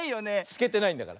すけてないんだから。